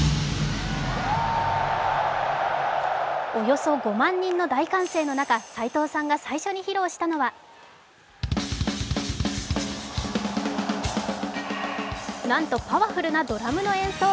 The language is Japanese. およそ５万人の大歓声の中、齋藤さんが最初に披露したのはなんと、パワフルなドラムの演奏。